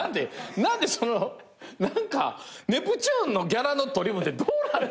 何でそのネプチューンのギャラの取り分どうなってんの？